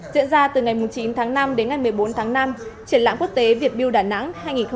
diễn ra từ ngày chín tháng năm đến ngày một mươi bốn tháng năm triển lãng quốc tế việt build đà nẵng